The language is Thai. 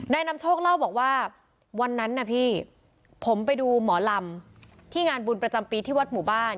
นำโชคเล่าบอกว่าวันนั้นนะพี่ผมไปดูหมอลำที่งานบุญประจำปีที่วัดหมู่บ้าน